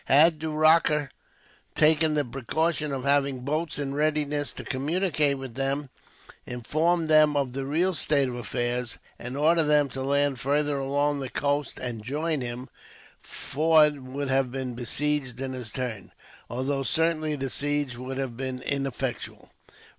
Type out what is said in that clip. Had Du Rocher taken the precaution of having boats in readiness to communicate with them, inform them of the real state of affairs, and order them to land farther along the coast and join him, Forde would have been besieged in his turn, although certainly the siege would have been ineffectual.